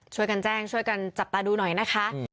ช่วยกันแจ้งช่วยกันจับตาดูหน่อยนะคะ